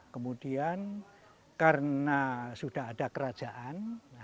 kemudian karena sudah ada kerajaan